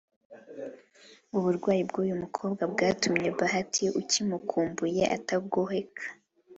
uburwayi bw'uyu mukobwa bwatumye Bahati ukimukumbuye atagoheka